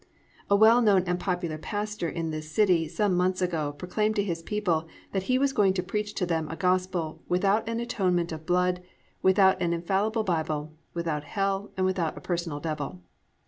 A well known and popular pastor in this city some months ago proclaimed to his people that he was going to preach to them a gospel "without an atonement of blood, without an infallible Bible, without hell, and without a personal Devil."